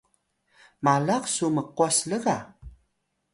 malax su mqwas lga?